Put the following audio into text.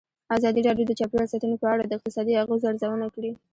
ازادي راډیو د چاپیریال ساتنه په اړه د اقتصادي اغېزو ارزونه کړې.